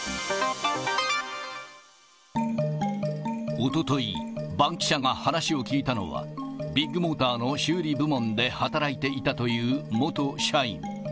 おととい、バンキシャが話を聞いたのは、ビッグモーターの修理部門で働いていたという元社員。